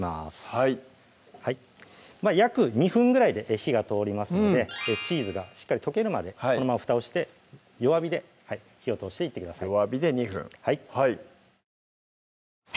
はいはい約２分ぐらいで火が通りますのでチーズがしっかり溶けるまでこのまま蓋をして弱火で火を通していってください